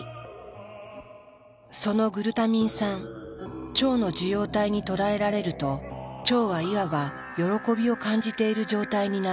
そのグルタミン酸腸の受容体にとらえられると腸はいわば喜びを感じている状態になる。